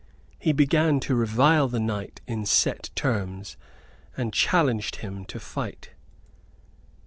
He began to revile the knight in set terms, and challenged him to fight.